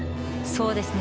そうですね。